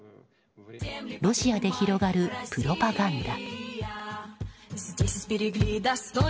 ロシアで広がるプロパガンダ。